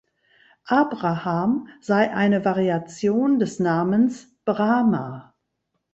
Abraham sei eine Variation des Namens Brahma.